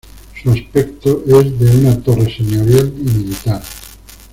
Su aspecto es de una torre señorial y militar.